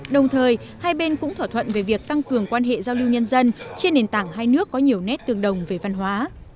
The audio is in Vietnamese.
đồng thời hai bên cũng thỏa thuận về việc tăng cường quan hệ giao lưu nhân dân trên nền tảng hai nước có nhiều nét tương đồng về văn hóa